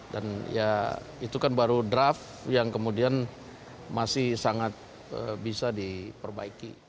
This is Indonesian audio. dan ya itu kan baru draft yang kemudian masih sangat bisa diperbaiki